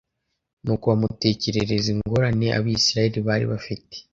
Nuko bamutekerereza ingorane Abisirayeli bari bafite